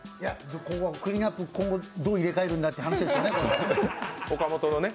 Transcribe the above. ここはクリーンナップ、今後どう入れ替えるのかって話ですよね。